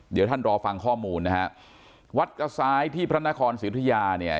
เดี๋ยวท่านรอฟังข้อมูลนะฮะวัดกระซ้ายที่พระนครศิริยาเนี่ย